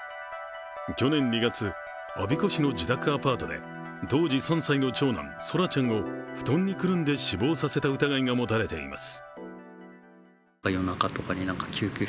去年２月、我孫子市の自宅アパートで当時３歳の長男、奏良ちゃんを布団にくるんで死亡させた疑いが持たれています。